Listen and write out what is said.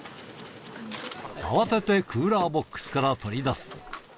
慌ててクーラーボックスから取り出す。